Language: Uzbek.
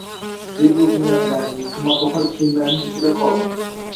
Zebu ziynatlarning, qimmatbaho kiyimlarning ichida qoldim